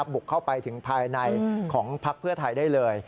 บุกเข้าไปถึงภายในของพักเพื่อไทยได้เลย